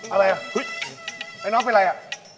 อะไรอ่ะเฮ้ยไอ้น้องเป็นไรอ่ะ